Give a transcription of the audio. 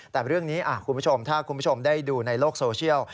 แต่เรื่องนี้คุณผู้ชมถ้าคุณผู้ชมได้ดูในโลกโซเชียล